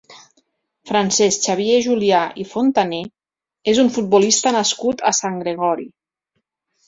Francesc Xavier Julià i Fontané és un futbolista nascut a Sant Gregori.